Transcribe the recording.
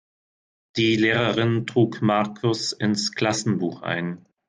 Die Lehrerin trug Markus ins Klassenbuch ein.